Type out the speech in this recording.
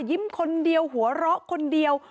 คนเดียวหัวเราะคนเดียว